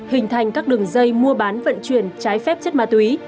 hình thành các đường dây mua bán vận chuyển trái phép chất ma túy